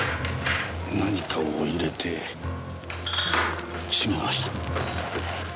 何かを入れて閉めました。